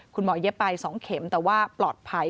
เย็บไป๒เข็มแต่ว่าปลอดภัย